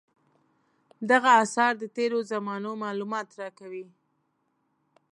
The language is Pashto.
دغه اثار د تېرو زمانو معلومات راکوي.